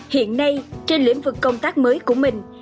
hiện nay trên lĩnh vực công tác mới của mình